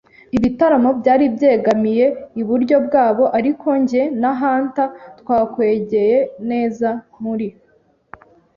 Ibitaramo byari byegamiye iburyo bwabo, ariko njye na Hunter twakwegeye neza, muri